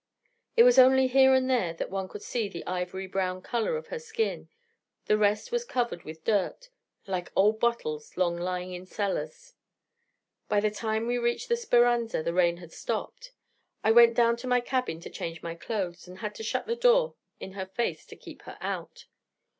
It was only here and there that one could see the ivory brown colour of her skin: the rest was covered with dirt, like old bottles long lying in cellars. By the time we reached the Speranza, the rain suddenly stopped: I went down to my cabin to change my clothes, and had to shut the door in her face to keep her out.